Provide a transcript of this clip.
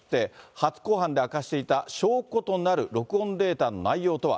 初公判で明かしていた証拠となる録音データの内容とは。